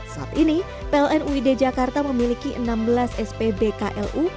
saat ini pln uid jakarta memiliki enam belas spbklu